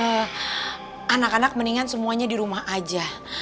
eeeh anak anak mendingan semuanya dirumah aja